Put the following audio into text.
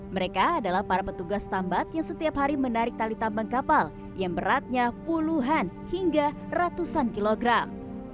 mereka adalah para petugas tambat yang setiap hari menarik tali tambang kapal yang beratnya puluhan hingga ratusan kilogram